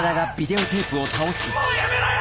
もうやめろよ！